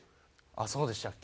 あっそうでしたっけ？